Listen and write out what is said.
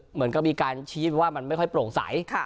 เหมือนกับมีการชี้ว่ามันไม่ค่อยโปร่งใส